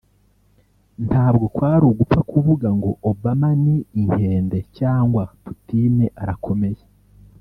ntabwo kwari ugupfa kuvuga ngo ‘Obama ni inkende’ cyangwa ‘Putin arakomeye’